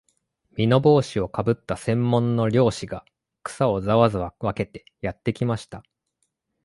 簔帽子をかぶった専門の猟師が、草をざわざわ分けてやってきました